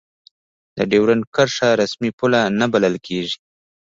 د دیورند کرښه رسمي پوله نه بلله کېږي.